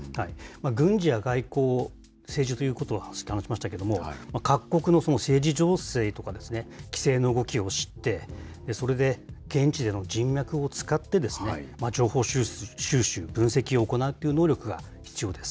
軍事や外交・政治ということを話しましたけれども、各国のその政治情勢とか、規制の動きを知って、それで現地での人脈を使ってですね、情報収集、分析を行うという能力が必要です。